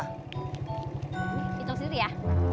hitung sendiri ya